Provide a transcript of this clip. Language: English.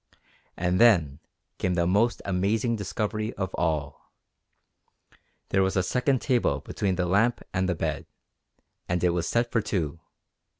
And then came the most amazing discovery of all. There was a second table between the lamp and the bed, and it was set for two!